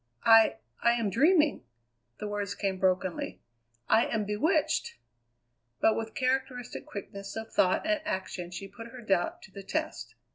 "I I am dreaming!" The words came brokenly. "I am bewitched!" But with characteristic quickness of thought and action she put her doubt to the test.